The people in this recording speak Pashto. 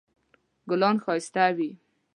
ګلان ښایسته وي